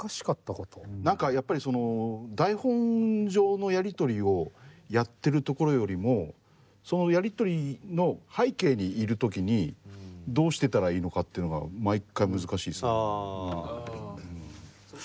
何かやっぱりその台本上のやり取りをやってるところよりもそのやり取りの背景にいる時にどうしてたらいいのかっていうのが毎回難しいですよね。